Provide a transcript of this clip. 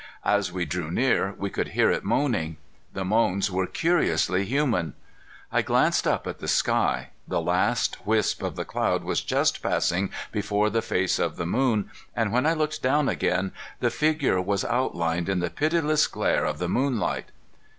As we drew near, we could hear it moaning. The moans were curiously human. I glanced up at the sky. The last wisp of the cloud was just passing before the face of the moon, and when I looked down again, the figure was outlined in the pitiless glare of the moonlight.